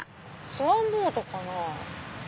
スワンボートかな。